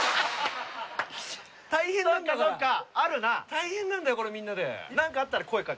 大変なんだよこれみんなで。